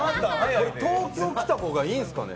東京来た方がいいんッすかね。